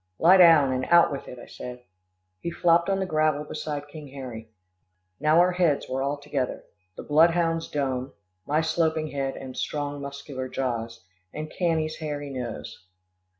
"Lie down, and out with it," I said. He flopped on the gravel beside King Harry. Now our heads were all together the bloodhound's dome, my sloping head and strong, muscular jaws, and Cannie's hairy nose.